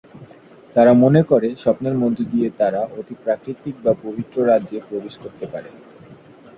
তারা মনে করে, স্বপ্নের মধ্য দিয়ে তারা অতিপ্রাকৃত বা পবিত্র রাজ্যে প্রবেশ করতে পারে।